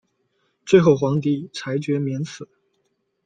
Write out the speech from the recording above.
最后皇帝裁决免死。